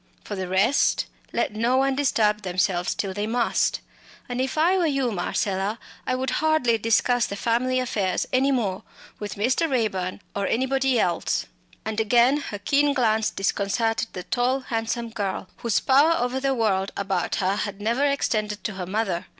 For the rest let no one disturb themselves till they must. And if I were you, Marcella, I would hardly discuss the family affairs any more with Mr. Raeburn or anybody else." And again her keen glance disconcerted the tall handsome girl, whose power over the world about her had never extended to her mother.